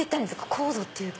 コードっていうか。